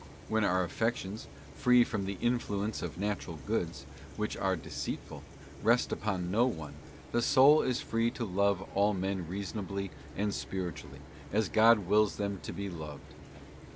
When our affections, free from the influence of Natural Goods, which are deceitful, rest upon no one, the soul is free to love all men reasonably and spiritually, as God wills them to be loved.